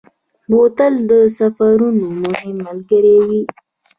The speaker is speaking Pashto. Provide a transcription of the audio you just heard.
بوتل د سفرونو مهم ملګری وي.